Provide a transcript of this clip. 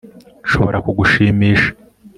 Nshobora kugushimisha